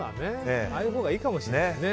ああいうほうがいいかもしれないね。